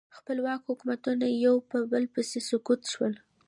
خپلواک حکومتونه یو په بل پسې سقوط شول.